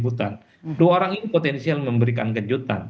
itu orang ini bakal memberikan kejutan